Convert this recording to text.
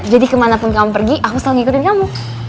jadi kemana pun kamu pergi aku selalu ngikutin kamu